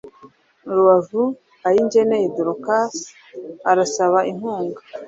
Rubavu Ayingeneye Dorcas arasaba inkunga